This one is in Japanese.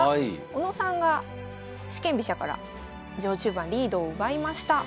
小野さんが四間飛車から序中盤リードを奪いました。